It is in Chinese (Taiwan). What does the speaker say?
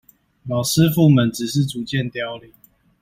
老師傅們只是逐漸凋零